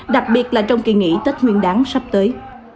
đặc biệt là trong kỳ nghỉ tết nguyên đáng sắp tới